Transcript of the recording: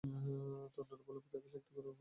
অন্যরা বলেনঃ প্রতি আকাশে একটি করে ঘর আছে।